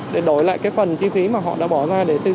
để đổi lại cái phần chi phí mà họ đã bỏ ra để xây dựng